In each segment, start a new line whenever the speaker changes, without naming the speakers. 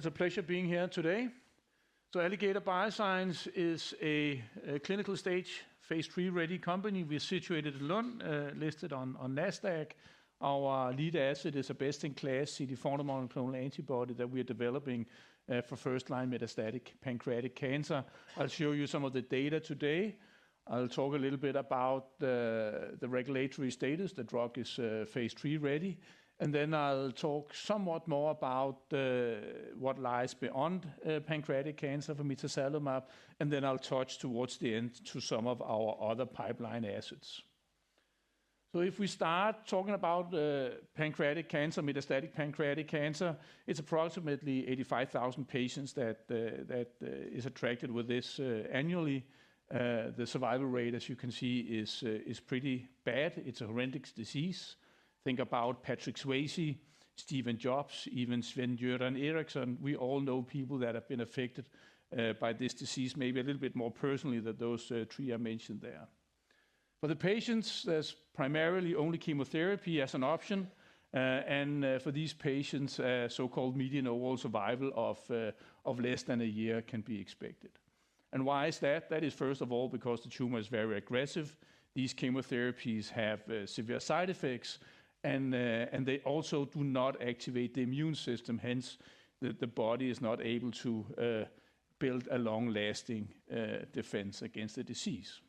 It's a pleasure being here today. Alligator Bioscience is a clinical stage, phase III ready company. We're situated in Lund, listed on NASDAQ. Our lead asset is a best-in-class CD40 monoclonal antibody that we are developing for first-line metastatic pancreatic cancer. I'll show you some of the data today. I'll talk a little bit about the regulatory status. The drug is phase III ready. Then I'll talk somewhat more about what lies beyond pancreatic cancer for mitazalimab. Then I'll touch towards the end to some of our other pipeline assets. If we start talking about pancreatic cancer, metastatic pancreatic cancer, it's approximately 85,000 patients that is affected with this annually. The survival rate, as you can see, is pretty bad. It's a horrendous disease. Think about Patrick Swayze, Steve Jobs, even Sven-Göran Eriksson. We all know people that have been affected by this disease, maybe a little bit more personally than those three I mentioned there. For the patients, there's primarily only chemotherapy as an option. And for these patients, so-called median overall survival of less than a year can be expected. And why is that? That is, first of all, because the tumor is very aggressive. These chemotherapies have severe side effects, and they also do not activate the immune system. Hence, the body is not able to build a long-lasting defense against the disease.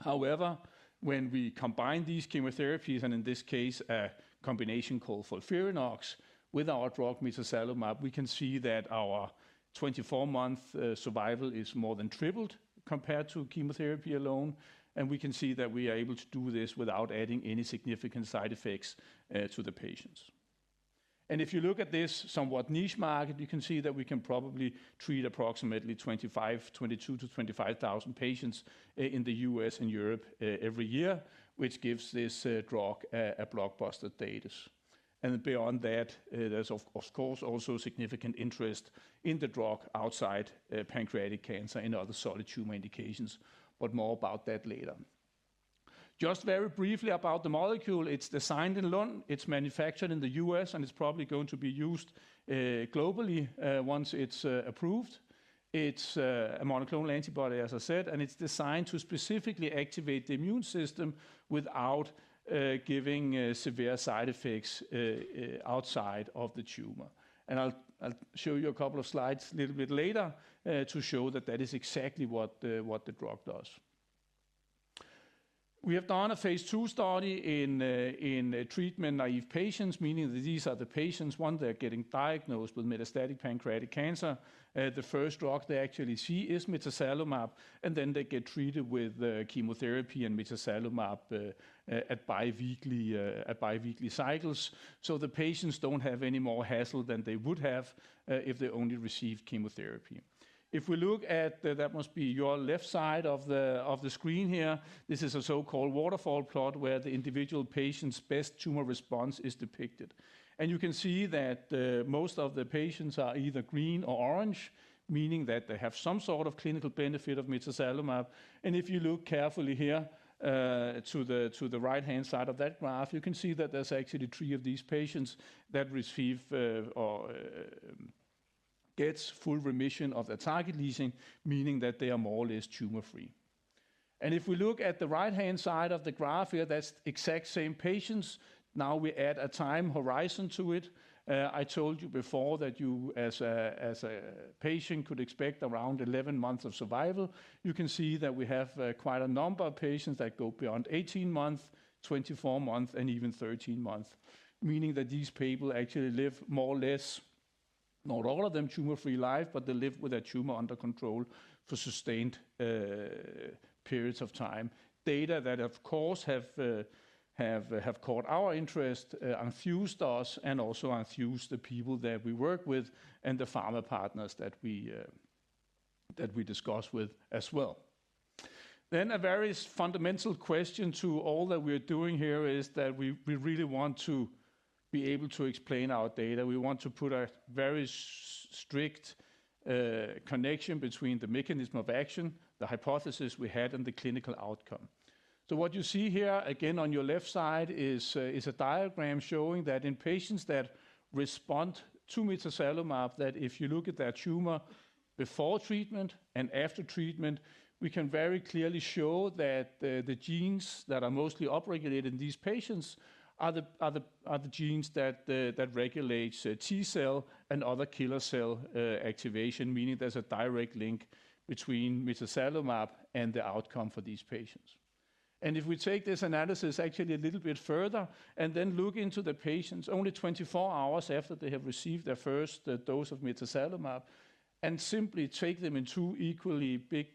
However, when we combine these chemotherapies, and in this case, a combination called FOLFIRINOX with our drug mitazalimab, we can see that our 24 months survival is more than tripled compared to chemotherapy alone. And we can see that we are able to do this without adding any significant side effects to the patients. And if you look at this somewhat niche market, you can see that we can probably treat approximately 25,000 to 25,000 patients in the U.S. and Europe every year, which gives this drug a blockbuster status. And beyond that, there's of course also significant interest in the drug outside pancreatic cancer in other solid tumor indications, but more about that later. Just very briefly about the molecule, it's designed in Lund. It's manufactured in the U.S., and it's probably going to be used globally once it's approved. It's a monoclonal antibody, as I said, and it's designed to specifically activate the immune system without giving severe side effects outside of the tumor. And I'll show you a couple of slides a little bit later to show that that is exactly what the drug does. We have done a phase II study in treatment-naive patients, meaning that these are the patients, one, they're getting diagnosed with metastatic pancreatic cancer. The first drug they actually see is mitazalimab, and then they get treated with chemotherapy and mitazalimab at biweekly cycles, so the patients don't have any more hassle than they would have if they only received chemotherapy. If we look at, that must be your left side of the screen here, this is a so-called waterfall plot where the individual patient's best tumor response is depicted, and you can see that most of the patients are either green or orange, meaning that they have some sort of clinical benefit of mitazalimab. If you look carefully here to the right-hand side of that graph, you can see that there's actually three of these patients that receive or get full remission of the target lesion, meaning that they are more or less tumor-free. If we look at the right-hand side of the graph here, that's exact same patients. Now we add a time horizon to it. I told you before that you, as a patient, could expect around 11 months of survival. You can see that we have quite a number of patients that go beyond 18 months, 24 months, and even 13 months, meaning that these people actually live more or less, not all of them tumor-free lives, but they live with a tumor under control for sustained periods of time. Data that, of course, have caught our interest, enthused us, and also enthused the people that we work with and the pharma partners that we discuss with as well. Then a very fundamental question to all that we are doing here is that we really want to be able to explain our data. We want to put a very strict connection between the mechanism of action, the hypothesis we had, and the clinical outcome. So what you see here, again, on your left side is a diagram showing that in patients that respond to mitazalimab, that if you look at that tumor before treatment and after treatment, we can very clearly show that the genes that are mostly upregulated in these patients are the genes that regulate T cell and other killer cell activation, meaning there's a direct link between mitazalimab and the outcome for these patients. And if we take this analysis actually a little bit further and then look into the patients only 24 hours after they have received their first dose of mitazalimab and simply take them in two equally big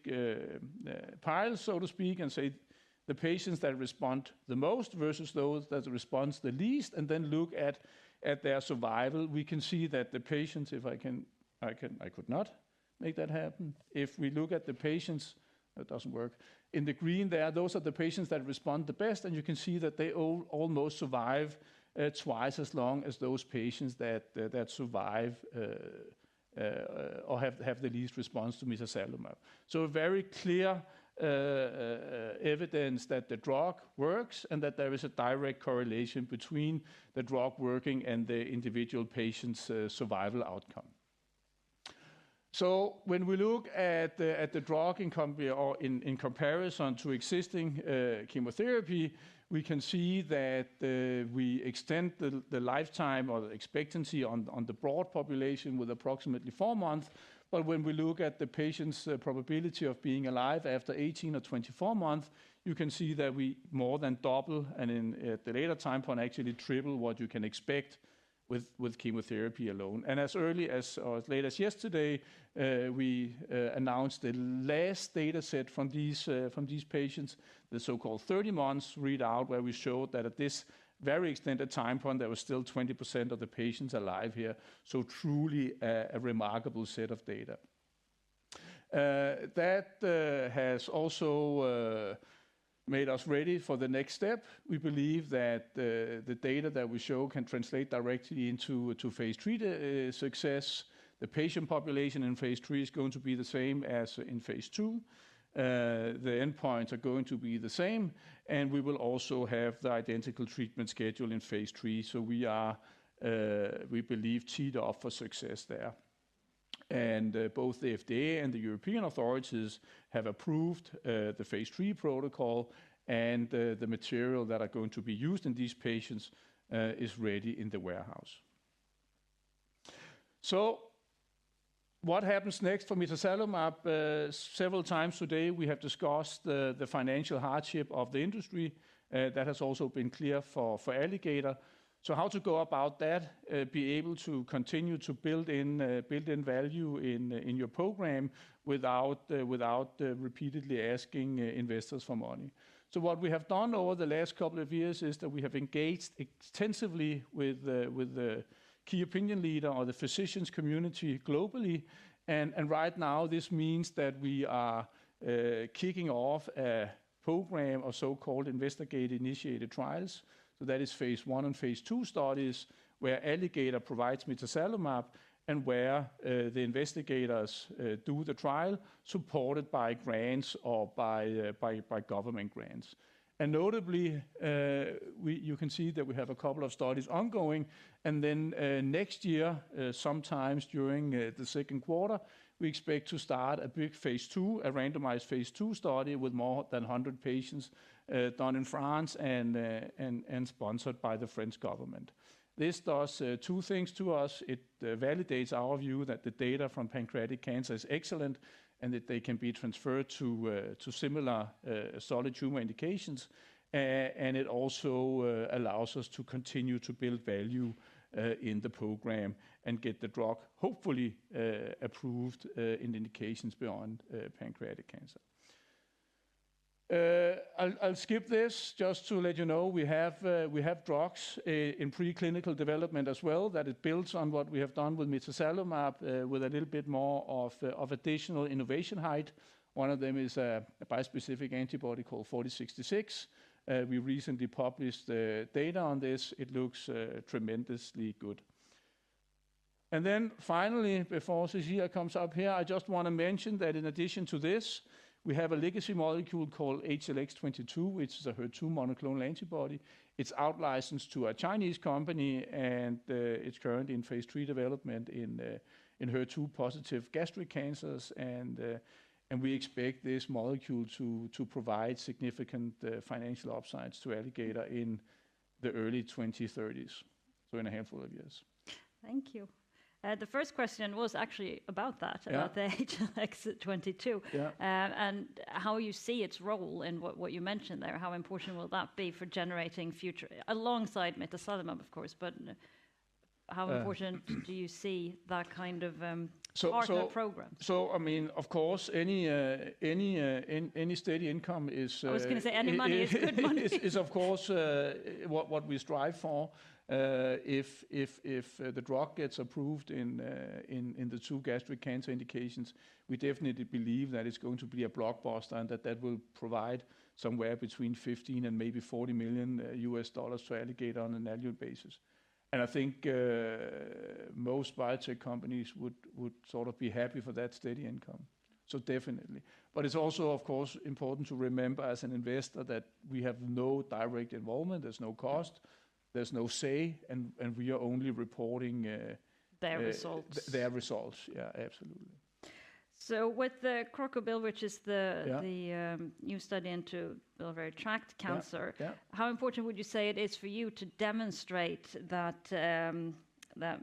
piles, so to speak, and say the patients that respond the most versus those that respond the least, and then look at their survival, we can see that the patients, if I can, I could not make that happen. If we look at the patients, that doesn't work. In the green there, those are the patients that respond the best, and you can see that they almost survive twice as long as those patients that survive or have the least response to mitazalimab. So very clear evidence that the drug works and that there is a direct correlation between the drug working and the individual patient's survival outcome. So when we look at the drug in comparison to existing chemotherapy, we can see that we extend the lifetime or the expectancy on the broad population with approximately four months. But when we look at the patient's probability of being alive after 18 or 24 months, you can see that we more than double and in the later time point actually triple what you can expect with chemotherapy alone. And as early as or as late as yesterday, we announced the last data set from these patients, the so-called 30 months readout, where we showed that at this very extended time point, there were still 20% of the patients alive here. So truly a remarkable set of data. That has also made us ready for the next step. We believe that the data that we show can translate directly into phase III success. The patient population in phase III is going to be the same as in phase II. The endpoints are going to be the same, and we will also have the identical treatment schedule in phase III. So we believe it offers success there. And both the FDA and the European authorities have approved the phase III protocol, and the material that are going to be used in these patients is ready in the warehouse. So what happens next for mitazalimab? Several times today, we have discussed the financial hardship of the industry. That has also been clear for Alligator. So how to go about that, be able to continue to build in value in your program without repeatedly asking investors for money? So what we have done over the last couple of years is that we have engaged extensively with the key opinion leader or the physicians' community globally. Right now, this means that we are kicking off a program of so-called investigator-initiated trials. That is phase I and phase II studies where Alligator provides mitazalimab and where the investigators do the trial supported by grants or by government grants. Notably, you can see that we have a couple of studies ongoing. Next year, sometime during the second quarter, we expect to start a big phase II, a randomized phase II study with more than 100 patients done in France and sponsored by the French government. This does two things to us. It validates our view that the data from pancreatic cancer is excellent and that they can be transferred to similar solid tumor indications. It also allows us to continue to build value in the program and get the drug hopefully approved in indications beyond pancreatic cancer. I'll skip this just to let you know we have drugs in preclinical development as well that build on what we have done with mitazalimab with a little bit more of additional innovation height. One of them is a bispecific antibody called ATOR-4066. We recently published data on this. It looks tremendously good. Then finally, before Cecilia comes up here, I just want to mention that in addition to this, we have a legacy molecule called HLX22, which is a HER2 monoclonal antibody. It's outlicensed to a Chinese company, and it's currently in phase III development in HER2 positive gastric cancers. We expect this molecule to provide significant financial upsides to Alligator in the early 2030s, so in a handful of years.
Thank you. The first question was actually about that, about the HLX22 and how you see its role in what you mentioned there. How important will that be for generating future, alongside mitazalimab, of course, but how important do you see that kind of part of the program?
So I mean, of course, any steady income is.
I was going to say any money is good money.
Is, of course, what we strive for. If the drug gets approved in the two gastric cancer indications, we definitely believe that it's going to be a blockbuster and that that will provide somewhere between $15 million and maybe $40 million to Alligator Bioscience on an annual basis. And I think most biotech companies would sort of be happy for that steady income. So definitely. But it's also, of course, important to remember as an investor that we have no direct involvement. There's no cost. There's no say. And we are only reporting.
Their results.
Their results. Yeah, absolutely.
With the Croco-Bill, which is the new study into biliary tract cancer, how important would you say it is for you to demonstrate that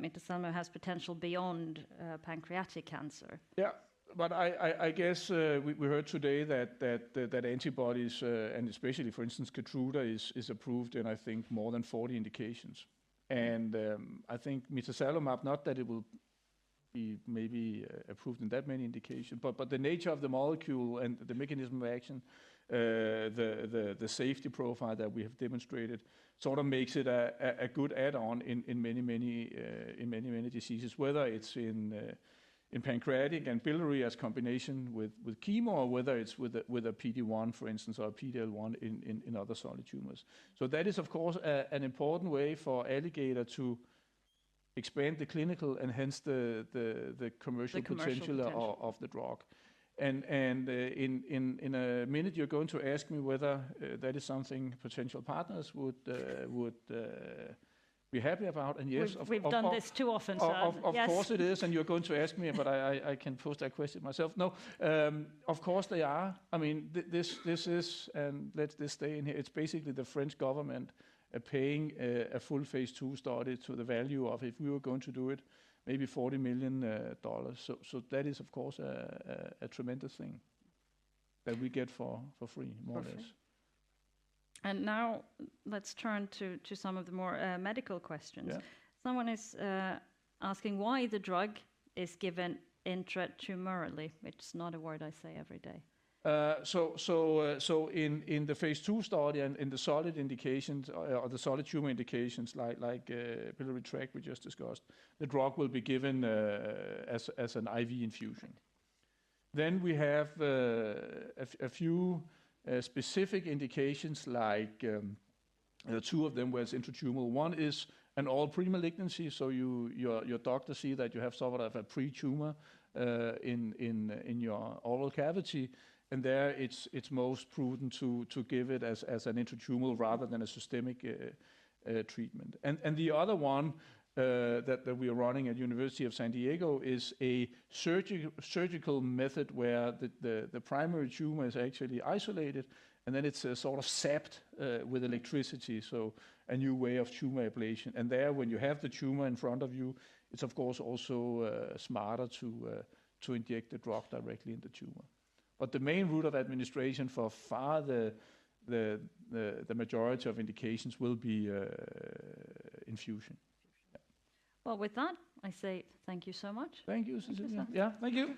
mitazalimab has potential beyond pancreatic cancer?
Yeah, but I guess we heard today that antibodies, and especially, for instance, Keytruda is approved in, I think, more than 40 indications. And I think mitazalimab, not that it will be maybe approved in that many indications, but the nature of the molecule and the mechanism of action, the safety profile that we have demonstrated sort of makes it a good add-on in many, many diseases, whether it's in pancreatic and biliary as combination with chemo, or whether it's with a PD-1, for instance, or a PD-L1 in other solid tumors. So that is, of course, an important way for Alligator to expand the clinical and hence the commercial potential of the drug. And in a minute, you're going to ask me whether that is something potential partners would be happy about. And yes, of course.
We've done this too often, Sir.
Of course it is. And you're going to ask me, but I can pose that question myself. No, of course they are. I mean, this is, and let's just stay in here. It's basically the French government paying for a full phase III study to the value of, if we were going to do it, maybe $40 million. So that is, of course, a tremendous thing that we get for free, more or less.
And now let's turn to some of the more medical questions. Someone is asking why the drug is given intratumorally, which is not a word I say every day.
In the phase II study and in the solid indications or the solid tumor indications, like biliary tract we just discussed, the drug will be given as an IV infusion. Then we have a few specific indications, like two of them where it's intratumoral. One is an oral premalignancy. So your doctors see that you have sort of a pre-tumor in your oral cavity. And there it's most prudent to give it as an intratumoral rather than a systemic treatment. And the other one that we are running at University of California San Diego is a surgical method where the primary tumor is actually isolated, and then it's sort of zapped with electricity. So a new way of tumor ablation. And there when you have the tumor in front of you, it's, of course, also smarter to inject the drug directly in the tumor. But the main route of administration by far the majority of indications will be infusion.
With that, I say thank you so much.
Thank you, Cecilia. Yeah, thank you.